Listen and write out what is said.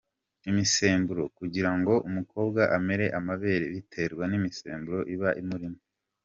Imisemburo: kugira ngo umukobwa amere amabere biterwa n’imisemburo iba imurimo.